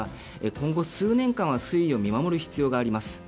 今後、数年間は推移を見守る必要があります。